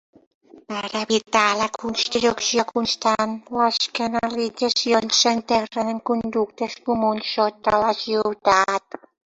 Per evitar la construcció constant, les canalitzacions s'enterren en conductes comuns sota la ciutat.